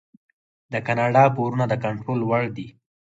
د کاناډا پورونه د کنټرول وړ دي.